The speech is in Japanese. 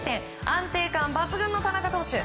安定感抜群の田中投手。